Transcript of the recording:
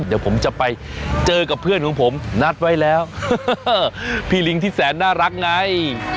เดี๋ยวผมจะไปเจอกับเพื่อนของผมนัดไว้แล้วพี่ลิงที่แสนน่ารักไง